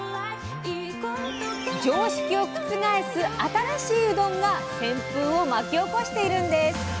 常識を覆す「新しいうどん」が旋風を巻き起こしているんです。